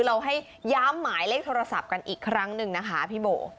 เราให้ย้ำหมายเลขโทรศัพท์กันอีกครั้งหนึ่งนะคะพี่โบ